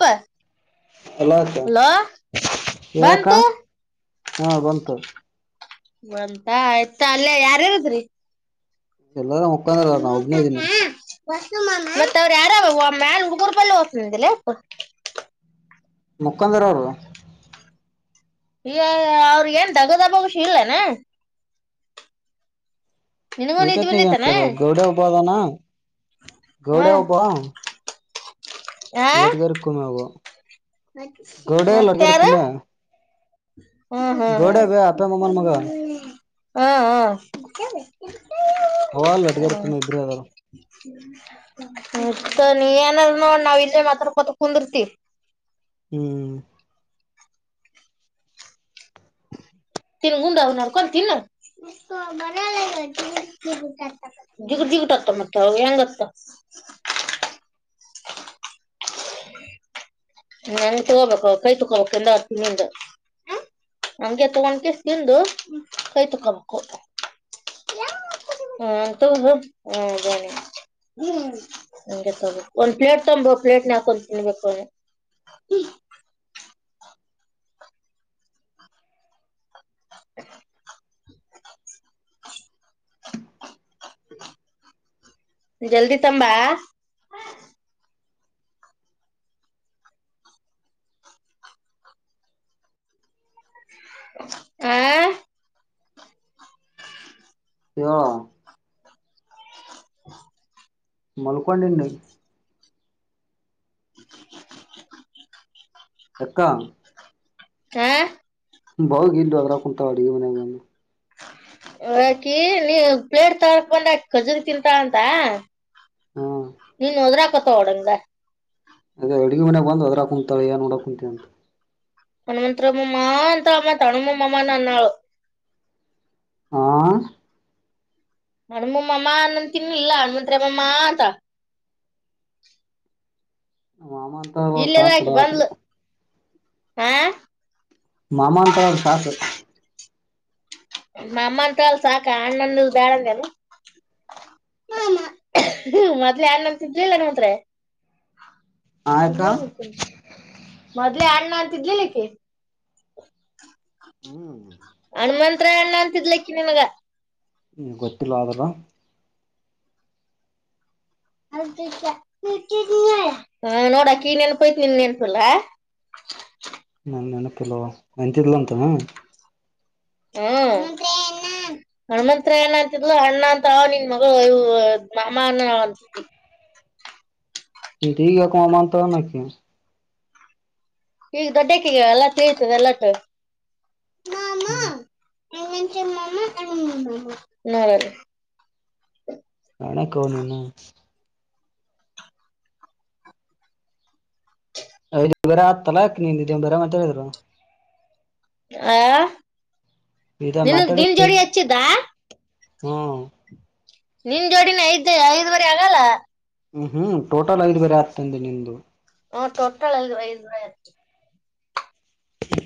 ಬ [unintelligible] ಎಲ್ಲ ಆಯ್ತಾ ಹಕ್ಕ ಬಂತು ಹಾ ಬಂತು [unintelligible] ಒಂತ ಆಯ್ತ ಅಲ್ಲೇ ಯಾರ ಇರದ್ರಿ ಎಲ್ಲಾರ ಮುಖಂದ್ರ ಅವ್ರ ನಾ ಮೂ ಒಬ್ನೇ ಕಕ ಇದೀನಿ ಮತ್ತತ್ ಅವ್ರ ಯಾರಾವ ಮ್ಯಾ ಹುಡುಗರು ಬಲ್ಲಿ ಹೊಸ್ನ್ದಿಲ್ಲ ಮುಕ್ಕಂದರ ಅವ ಈ ಅವ್ರ ಏನ್ ದಗದಬಗಷ ಇಲ್ಲನೆ ನಿನಗೂ ವಿಟ ನಿದ್ ಬಂದಿತಾನ ಗೌಡ ಉಬಾದಾನ ಹ ಗೌಡ ಉಬ [unintelligible] ಆ ಲಟಕೆರೆಕುಮಾಗ ಗೌಡೆ ಮತ್ತಾರ ಲಟಕರೆಕುಮೆ [unintelligible] ಹ್ಮ್ ಹ್ಮ್ ಹ್ಮ್ ಮಮ್ಮನ ಮಗ [inaudible] ಹ್ಮ ಹ್ಮ ಅವ ಹ್ಮ ಲೊಟ್ಗೇರಿ ಕುಮ್ಮೆ ಇಬ್ರೇ ಅದಾರ ಮತ್ತ ನೀ ಏನಾದ ನೋಡ್ ನಾವ ಇದೆ ಮಾತ್ರ ಕೊತ ಕುಂದಿರ್ತಿ [unintelligible] ಹ್ಮ್ ಹ ತಿನ್ ಗುಂಡಾಾವ ನ ಕೊ ತಿೀ ನ ಿಿಗತ್ತ ಮತ್ತೆ ಹೆಂಗತ್ತ [inaudible] [inaudible] ನಂ ತಗೋಬೇಕು ಕೈ ತಕೋಬೇಕು ಎಂದ ಅರ್ತನಿಂದ ನಮಗೆ ತಗೊಂಡ್ ಕಸ ತಿಂದು ಕೈ ತಕೊಬೇಕು [inaudible] ಹ್ಮ ತಗ ಹ ಬಿಗೆ ತಗು ಒಂದ್ ಪ್ಲೇಟ್ ತಬೇಕ ಪಪ್ಲೇಟ್ ನ ಹಾಕೊತೀನ್ ಬಬೇಕು [inaudible] [inaudible] ಜಲ್ದಿ ತಂಬ ಹ ಹ [inaudible] ಮಲ್ಕೊಂಡನ್ನ [inaudible] ಎಕ್ಕಾ ಹ ಬಾವ ಇ್ದು ಅದ್ರ ಕುಂತ ಅಡುಿಗೆ ಮನ್ಯಾಗ ಬಂದು ಹಾಕಿ ನೀ ಪ್ಲೇಟ್ ತರಕ್ ಬಂದ ಖಜರು ತಿಂತ ಅಂತ ಹ್ಮ್ ನೀನುೊದರಾ ಕೊತ ಡ ಅದೇ ಅಡುಗೆ ಮನಯಾಗ ಬಂದು ಅದ್ರ ಕುಂತಾ ನೋಡ ಕುಂತೀವಿ ಅಂತ ಹನುಮಂಂತರಮ್ಮ ಮಂತರ ಅಮ್ಮ ತನುಮ ಮಾಾಮಾನ ನಾಳು ಆ ಹ್ ಹಣುಮು ಮಾಮ ಆನ್ ಅಂತೀನಿ ಇಲ್ಲ ಹಣಮಂತ್ರಯ ಮ್ಮಮ್ಮ ಅಂತಳ. ಮಾಮ ಅಂತ ಇಲ್ಲಯಾದಳ ಸಾಕು ಆಕಿ ಬಿಡ ಬಂದ್ಲು ಆ. ಮಾಮಾ ಅಂತಳ ಅಲ್ ಸಾಕ್. ಮಾಮಾ ಅಂತಳ ಅಲ್ ಸಾಕ ಅಣ್ಣ ಅನ್ನದು ಬ್ಯಾಡ್ ಅಂದ್ ಏನು. ಮಾಮಾ ಹ ಮೊದ್ಲ ಅಣ್ಣ ಅಂತಿದ್ಲಿಲ್ ಹಣಮಂತ್ರಯ. ಇದ ಆಯ್ತಾ ಎನ್ ಮಾಡ್ಕೊಂಡಿ ಮೊದ್ಲೇ ಅಣ್ಣ ಅಂತಿದ್ಲಿಲ್ ಇಕಿ. ಹ್ಮ್ ತ್ರೆ ಅಣ್ಣ ಅಂತಿದ್ಲಿಕಿ ನಿಂಗ. ಹ್ಮ ಗೊತ್ತಿಲ್ಲ ಆದ್ರ. [unintelligible] ಹ ನೋಡ ಅಕೀಗ್ ನೆನ್ಪ ಐತಿ ನಿಂಗ್ ನೆನಪಿಲ್ಲ. ನಂಗ್ ನೆನಪಿಲ್ಲವ್ವ ಅಂತಿದ್ಲಂತೇನ. ಹ್ಮ ಹಣಮಂತ್ರಯ ಅಣ್ಣ ಅಂತಿದ್ಲು ಅಣ್ಣ ಅಂತ ನಿನ್ ಮಗ ಇವು ಮಾಮ ಅನ್ನ ಅಂತಿದ್ವಿ. ಇಕಿ ಇಗ್ಯಾಕ್ ಮಾಮಾ ಅಂತಳ ಅನ್ ಅಕಿ. ಈಗ ದೊಡ್ಡ್ಯಾಕಿ ಎಲ್ಲ ತಿಳಿತದ ಎಲ್ಲಟ. ಹ್ಮ್ ಹಣಮಂತ್ರಯ ಮಾಮಾ ಹಣಮು ಮಾಮಾ ನೋಡು. ಸ್ಯಾನ್ಯಕವ ನೀನಾ. ಏ ಇದುರು ಆತ್ತಲ್ಲಾ ಅಕ್ ನೀನಿಂದ ಇದು ಬರ್ಯಂ ಹೇಳಿದ್ರ. ಆ ಇದ ನಿನಗ್ ಮಾತಾಡ ದಿನ್ ಜೋಡಿ ಹಚ್ಚಿದ್ದಾ. ಹ್ಮ್ ನಿನ್ ಜೋಡಿನೆ ಐದ್ ಐದುವರಿ ಆಗಲ್ಲ. ಹ್ಮ್ ಹ್ಮ್ ಟೋಟಲ್ ಐದ್ ಬೇರೆ ಆತದ ಅಂದಿ ನಿಂದು. ಹ್ಮ್ ಟೋಟಲ್ ಐ ಐದುನೂರ ಹೆಚ್ಚ್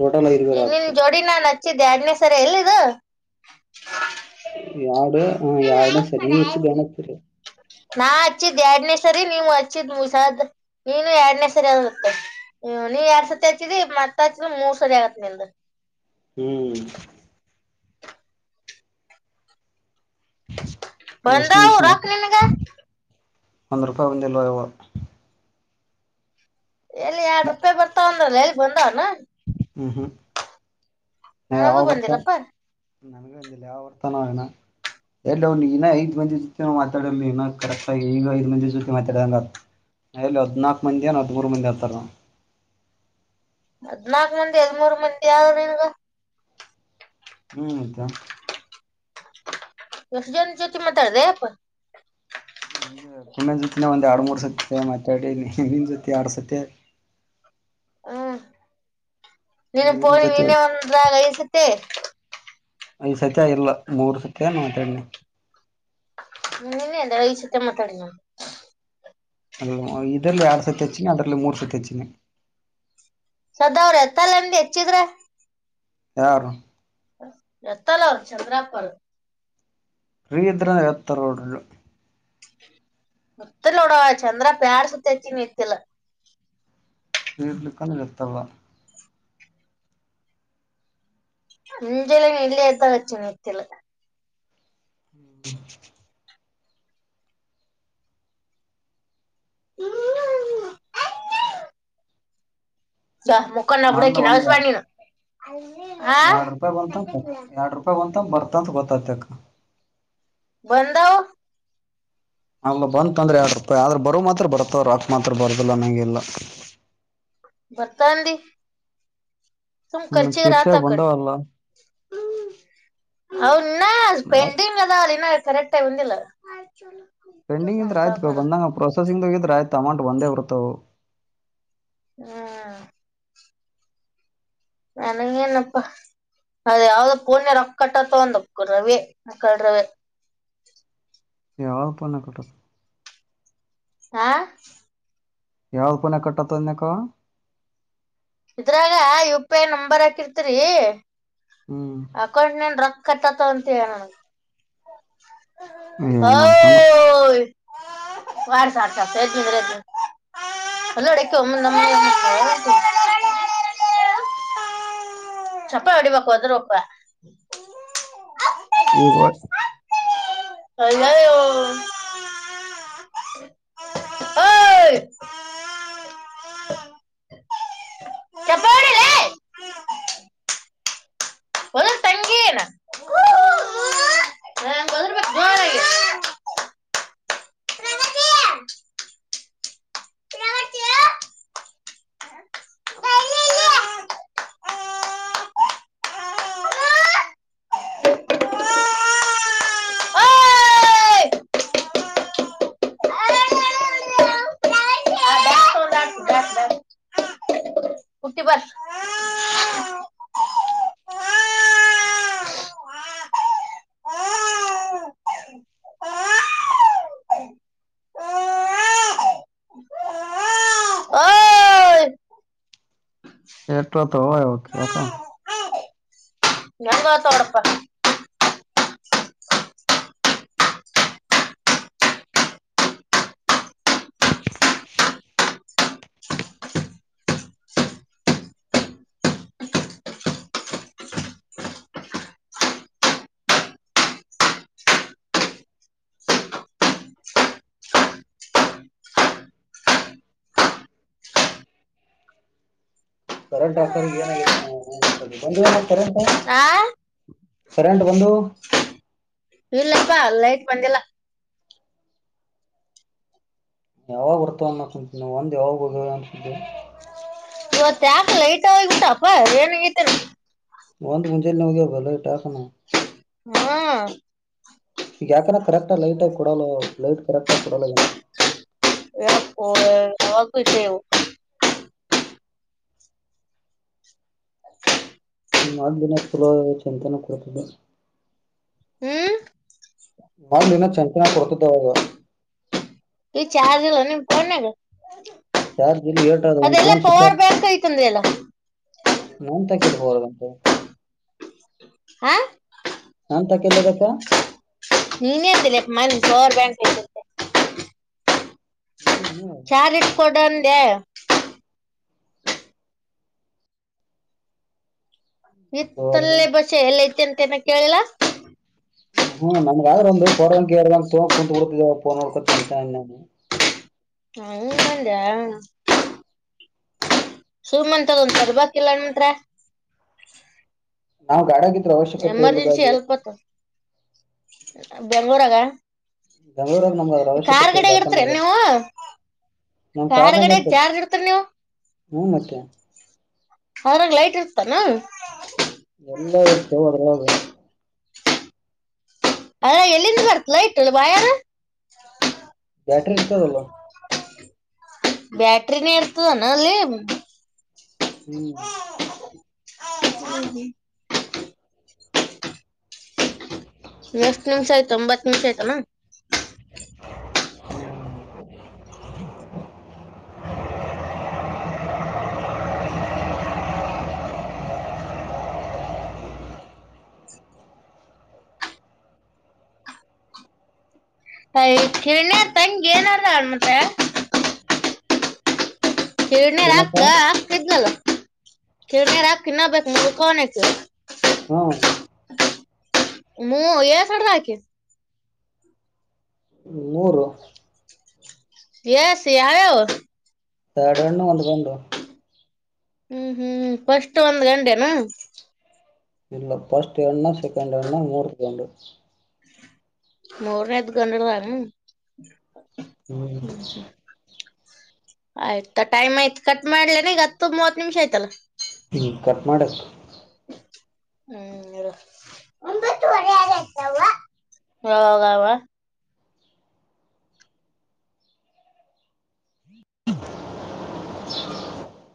ಟೋಟಲ್ ಐದ್ ಬೇರೆ ಈಗ್ ನಿನ್ ಆತ ಜೋಡಿ ನಾನ್ ಹಚ್ಚಿದ್ದ ಅಡ್ನೇಸರಿ ಎಲ್ಲಿದ್ದು. ಯಾರ್ಡ ಹ್ಮ್ ಯಡ್ ಸರಿ ನೀ ಹೆಚ್ಚಿದ್ ಎರಡ್ನೆ ನಾ ಹಚ್ಚಿದ್ ಎರಡ್ನೇ ಸರಿ ನೀವು ಹಚ್ಚಿದ್ ಮುಸಾದ ನೀನು ಎರಡ್ನೇ ಸರಿ ಆಗತ್ತ ಹ್ ನೀ ಎರಡ್ ಸತಿ ಹಚ್ಚಿದಿ ಮತ್ತ್ ಹಚ್ಚಿದ ಮೂರ್ ಸರಿ ಆಗತ್ ನಿಂದ್. ಹ್ಮ್ [inaudible] ಬಂದಾವ್ ರಕ್ಕ ನಿನಗ. ಒಂದ ರೂಪಾಯಿ ಬಂದಿಲ್ಲ ಎವ್ವ. ಎಲ್ಲಿ ಎರಡು ರೂಪಾಯಿ ಬರ್ತವ ಅಂದಲ್ಲ ಎಲ್ಲಿ ಬಂದಾವ್ ಏನ. ಹ್ಮ್ ಹ್ಮ್ ನನಗೂ ಬಂದಿಲ್ಲಪ್ಪ. ನನಗ ಅಂದಿಲ್ಲ ಯಾವ ಬರ್ತನ ಹಿನಾ. ಎಲ್ಲೆವ್ ನೀ ಇನ್ನ ಐದ್ ಮಂದಿ ಜೊತಿ ಮಾತಾಡಿಲ್ ನೀ ಹಿನಾ ಕರೆಕ್ಟಾಗಿ ಈಗ ಐದ ಮಂದಿ ಜೊತಿ ಮಾತಾಡಂಗ ಆತ್. ನಾ ಎಲ್ಲ ಹದ್ನಾಕು ಮಂದಿ ಏನ್ ಹದ್ಮೂರು ಮಂದಿ ಆರ್ತಾರ. ಹದ್ನಾಕ್ ಮಂದಿ ಹದ್ಮೂರ್ ಮಂದಿ ಅದರ್ ನಿನ್ಗ. ಹ್ಮ್ ಮತ್ತ. ಎಷ್ಟ ಜನ ಜೊತಿ ಮಾತಾಡಿದ್ಯಪ್ಪ. ಹಂಗೆ ಕುಮ್ಮ್ಯಾನ್ ಜೊತಿನ ಒಂದ್ ಆರಡ್ ಮೂರ್ ಸತ ಮಾತಾಡಿನಿ ನೀನ್ ಜೊತಿ ಎರಡ್ ಸತೆ. [inaudible] ಹ್ಮ ನೀನು ಇವ್ನ್ ಫೋನ್ ಜೊತೆ ನೀನೇ ಒಂದಾಗ ಐದ್ ಸತಿ. ಐದ್ ಸತಿ ಇಲ್ಲ ಮೂರು ಸತಿ ಯಾನ್ ಮಾತ್ಯಡಿನಿ. ನೀನೆ ಅಂದ್ಯಲ ಐದ್ ಸತೆ ಮಾತ್ಯಡಿನ್ ಅಂತ್. ಅ ಇದ್ರಲ್ಲೇ ಎರಡ್ ಸತಿ ಹೆಚ್ಚಿನಿ ಅದ್ರಲ್ಲೇ ಮೂರ್ ಸತಿ ಹೆಚ್ಚಿನಿ. ಸದ್ದ ಅವ್ರ ಎತ್ತಲ್ಲ ಅಂದಿ ಹೆಚ್ಚಿದ್ರ. ಯಾರು. ಎತ್ತಲ್ಲ ಅವ್ರ ಚಂದ್ರಾಪ್ಪರ. ಇದ್ರ ಎತ್ತ ರೋಡ್ [unintelligible] ಮತ್ಲೋಡ ಚಂದ್ರ ಪ್ಯರ್ ಸತ್ಯಚ ನಿತ್ಲ [unintelligible] ಕೀಡ್ಲಿಕ್ಕ ಇತಲ್ಲ [unintelligible] ಮುಂಜಲ ನೆಲ್ಲಿತಾಚ ನೆತಲ [unintelligible] ಹ್ಮ್ [unintelligible] ಹ್ಮ [unintelligible] ಜಾ ಮಕ್ಕ ನ ಬುಡಕಿ ನ ಅವ ಸ್ ಬ ನೀನು [unintelligible] ಹಾ ಎರಡು ರೂಪಾಯಿ ಬಂತ ಎರಡ್ ರೂಪಾಯಿ ಬಂತ ಬರ್ತಂತ ಗೊತ್ತತಕ್ಕ ಬಂದಾವ ಅಲ್ಲ ಬಂತ ಅಂದ್ರೆ ಎರ ರೂಪಾಯಿ ಆದ್ರ ಬರ ಮಾತ್ರ ಬರತವ ರಾಕ್ ಮಾತ್ರ ಬರದಿಲ್ಲ ನಂಗೆಲ್ಲ [inaudible] [unintelligible] ಬರ್ತಾ ಹಂದಿ ಸುಮ್ನೆ ಹ್ಮ್ ಶೀರ್ಷಾಗ ಕರ್ಚಿಗಾದ್ರೂ ಆಗುತ್ತೆ ಬಂದಾವಲ್ಲ ಹೌನ್ನ ಪೆಂಡಿಂಗದಾ ಅಲ್ಲಿ ಇನ್ನ ಕರೆಕ್ಾಯ ಒಂದಿಲ್ಲ [inaudible] ಪೆಂಡಿಂಗ್ ಇದ್ರೆ ಆಯ್ತು ಬ ಬಂದಂಗ ಪ್ರೊಸೆಸಿಂಗ್ದಾಗ ಇದ್ರೆ ಆಯ್ತು ಅಮೌಂಟ್ ಬಂದೇ ಬರ್ತಾವ ಹ್ಮ ನನಗೆನಪ್ಪಾ ಅದ ಯಾವ್ದ ಪೂಣ್ಯ ರೊಕ್ಕಟ್ಟತ ಒಂದಕ್ಕ ರವಿ ಮಕ್ಕಳ ರವಿ ಯಾವು ಪಣ ಕೊಟದು ಹಾ ಯಾವಳ್ಪುನೆ ಕಟ್ಟತ್ತುನ್ನಕ್ಕಾ [unintelligible] ಇದ್ರಾಗ ಯು ಪಿ ಐ ನಂಬರ್ ಹಾಕಿರ್ತಿರಿ ಹ್ಮ್ ಅಕೌಂಟ್ ನೀನ್ ರಕ್ ಕಟ್ಟಾ ತಂತ [unintelligible] ಏನ್ ಮಾಡ್ತಾನ ವಡ್ ಸ ಸ ಸತ ಸೇತ [unintelligible] ಒಂದು ನಮ್ಮ [unintelligible] ಚಪ್ಪ ಹೊಡಿಬೇಕು ಅದ್ರೂ ಒಪ್ಪ ಈವ [unintelligible] ಅ [unintelligible] ಹ [unintelligible] [unintelligible] ಒಂದು ತಂಗಗೆನ [unintelligible] ಹ ಬ ಆ [inaudible] ಓಯ್ ಆ, ಬ್ಯಾಟ್ ತಗೊಂಡ್ ಆಡ್ಸು, ಬ್ಯಾಟ್, ಬ್ಯಾಟ್. ಹುಟ್ಟಿ ಬರ್ ಓಯ್ ಎಟೋ ತ ಹ ಓಕೆ ಆಕಾ [inaudible] ನಂಗ ತೋಡಪ [unintelligible] ಕರೆಂಟ್ ಹಾಕರ್ ಏನಾಗಿೈತ್ತು ನಾವು ಬಂದು ಏನ ಕರೆಂಟ್ ಆ [inaudible] ಕರೆಂಟ್ ಒಂದು [inaudible] ಇಲ್ಲಪ್ಪ ಲೈಟ್ ಬಂದೆಲ್ಲ [unintelligible] ಯಾವಾಗ ಬರ್ತಾವನ್ನ ಕುಂತವಿ ನವು ಒಂದ್ ಯಾವಾಗ ಹೋಗೇವೆ ಅನ್ಿದ್ದೇವಿ [unintelligible] ಇವತ್ ಯಾಕ ಲೈಟ್ೋಗ್ಬಿಟಪ್ಪ ಏನ್ಗೈತೆರಿ [unintelligible] ಒಂದು್ ಮುಂಜೆೆಯಲ್ಲಿ ನಮಗೆ ಬಲ ಇಟಾಕಣ [unintelligible] ಹಾ [inaudible] ಈಗ ಯಾಕಾನ ಕರೆಕ್ಟ ಲೈಟ್ ಆಗ ಕೊಡಲ್ಲ ಲೈಟ್ ಕರೆಕ್ಟ ಆ ಕೊಡಲ್ಲ ಹ ಅವಾಗೇವು [unintelligible] ನಿ ದಿನಕ್ಕೆ ಸುಲಭವಾಗಿ ಚಿಂತೆಯನೂ ಕೊಡತು [unintelligible] ಹ್ಮ್ ಮೊದ್ಲನ್ನ ಚಚನ ಕೊಡ್ತದವಾಗ [unintelligible] ಚಾರ್ಜ್ ಇಲ್ವಾ ಫೋನ್ ಆಗಿ [inaudible] ಚಾರ್ಜ್ ಇಲ್ಲಿ ಹೇಳ್ ಒಂದ್ ೋನ್ ಸ್ಚ್ ಬ್ಯಾಂಕ್ ಐತಂದ್ರಲ್ಲ [unintelligible] ಕೆ ಬರ ಗಟೆ [unintelligible] ಹಾ [inaudible] ಹಂತ ಕಲ್ಲದಕ್ಕ [unintelligible] ನಿನ್ನಂತಲ್ [unintelligible] ಇಲ್ಲಿನ್ನು ಚಾರ್ ಇಟ್ಕಕೊಂಡು ಅಂದೇ ಇತ್ತಲ್ಲೇ ಬಷೆ ಎಲ್ಲ ಐತಿ ಅಂತ ಏನ ಕೇಳಿಲ್ಲ ಹ್ಮ್ ನಮಗ ಒಂದು ಶೋ ಹಾಗಿ ಕುಂತಿ ಬಿಡ್ತಿದ್ದವ ಫೋನ್ ನೋಡ್ಕೋಅಂತ ಅಂದೇ ನಾನು [unintelligible] ಹ ಹಂಗೆ ಅಂದ್ಯಾ ಸುಮ್ ತಕೊ [unintelligible] ನಾವ್ ಗಾಡಿಗಿದ್ರೆ ಅವಶ್ಯಕತೆ ಇಲ್ವಾ ಅಲ್ಲಿ ಹೆಲ್ಪ್ ಆತು ಬೆಂಗ್ಳೂರಾಗ ಬೆಂಗಳೂರಾಗ ನಮ್ಗ ಅದ್ರ ಕಾರ್ ಅವಶ್ಯಕತೆ ಇಲ್ಲ ಗಡಿಯಾಗ್ ಯಾಕ ಇರ್ತರೇನು ನಮ್ಗ ನೀವು ನಮ್ ಕಾರ್ ಕಾರ್ನಾಗ ಗಡಿಯಾಗ್ ಇರ್ತದ ಚಾರ್ಜ್ ಇಡ್ತರಿ ನೀವು ಹ್ಮ್ ಮತ್ತೆ ಅದ್ರಲ್ಲಿ ಲೈಟ್ ಇರ್ತಾದೇನು ಎಲ್ಲ ಇರ್ತವೊ ಅದ್ರ ಒಳ್ಳಗ ಅದ ಎಲ್ಲಿಂದ ಬರ್ತವಾ ಲೈಟ್ ವೈರಯು ಬ್ಯಾಟ್ರಿ ಇರ್ತದಲ್ಲ ಬ್ಯಾಟ್ರ ನೀ ಇರ್ತದಾನ ಅಲ್ಲಿೇ ಹ್ಮ್ ಮತ್ತೆ ಹೇಳಿ ಕೇಳಿಸ್ತಾಯಿತೇನ [unintelligible] [unintelligible] ಅಯ್ ಕೇಳಣ್ಣ ತಂಗಿ ಏನಾರ ಮತ್ತೆ ಏನಾರ ಏನಕ್ಕ ಹಾಕ್ಕ ಹಾಕಿದಲ್ಲ ಏನಾರ ಹಾಕಿ ತಿನ್ನಬೇಕು ಹ್ಮ ಎಷ್ಟು ಸಾಲ ಹಾಕಿ ಮೂರು ಯಾವ್ಯಾವು ಎರಡು ಹೆಣ್ಣು ಎರಡು ಗಂಡು ಹ್ಮ್ ಹ್ಮ್ ಫಸ್ಟ್ ಒಂದ್ ಗಂಡೇನು ಇಲ್ಲ ಫಸ್ಟ್ ಹೆಣ್ಣಾ ಸೆಕೆಂಡ್ ಹೆಣ್ಣಾ ಮೂರು ಗಂಡು ಮೂರನೇದು ಗಂಡ ಹ್ಮ್ ಆಯ್ತ ಟೈಮ್ ಆಯ್ತತ್ ಕಟ್ ಮಾಡ್ಲೇನೆ ಈಗ ಹತ್ತು ಮೂವತ್ ನಿಮಿಷ ಆಯತಲ್ಲ ಹ್ಮ ಕಟ್ ಮಾಡರಿ ಹ್ಮ್ ಒಂಬತ್ತುವರೆ ಆಯ್ತು ಅವಾಗವ್ವ [inaudible]